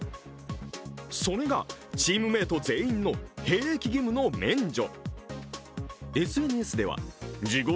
それがチームメート全員の兵役義務の免除。